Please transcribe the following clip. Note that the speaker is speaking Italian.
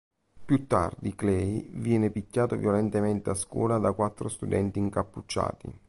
Più tardi, Clay viene picchiato violentemente a scuola da quattro studenti incappucciati.